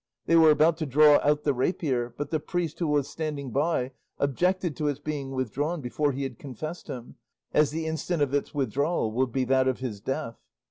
They were about to draw out the rapier, but the priest who was standing by objected to its being withdrawn before he had confessed him, as the instant of its withdrawal would be that of this death.